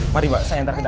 mari mbak saya ntar gedap